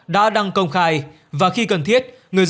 đã đăng công khai và khi cần thiết